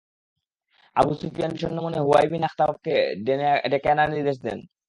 Abu Sufyan বিষন্ন মনে Huyayy bin আখতাবকে ডেকে আনার নির্দেশ দেয়।